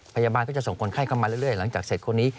พยาบาลก็จะส่งคนไข้เข้ามาเรื่อยหลังจากเสร็จคนนี้